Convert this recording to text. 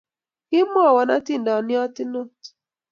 Kimwawan atindonyot inot